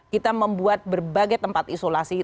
kita membuat berbagai tempat isolasi